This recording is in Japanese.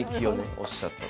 おっしゃってたと。